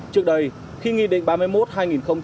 trước đây khi nghị định ba mươi một hai nghìn hai mươi